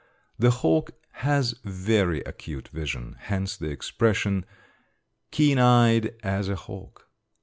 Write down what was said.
The hawk has very acute vision; hence the expression, "Keen eyed as a hawk."